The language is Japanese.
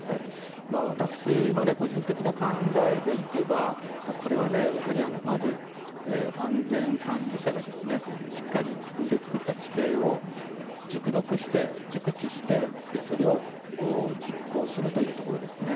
私の個人的な考えでいけばこれはやはりまず安全管理者がしっかり自分で作った規程を熟読して、熟知してそれを実行するというところですね。